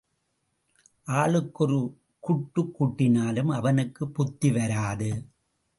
ஆளுக்கு ஒரு குட்டுக் குட்டினாலும் அவனுக்குப் புத்தி வராது.